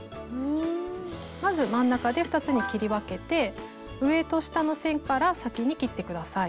まず真ん中で２つに切り分けて上と下の線から先に切って下さい。